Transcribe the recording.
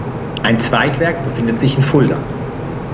Ein Zweigwerk befindet sich in Fulda.